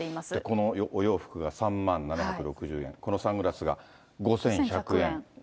このお洋服が３万７６０円、このサングラスが５１００円。